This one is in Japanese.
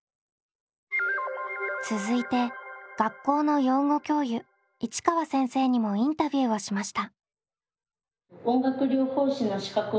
続いて学校の養護教諭市川先生にもインタビューをしました。